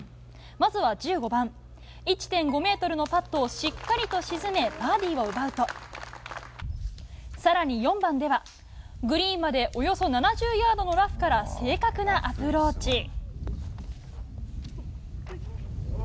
まずは１５番、１．５ｍのパットをしっかりと沈めバーディーを奪うと更に４番ではグリーンまでおよそ７０ヤードのラフから正確なアプローチ。